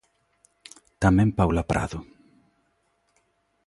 Tamén Paula Prado.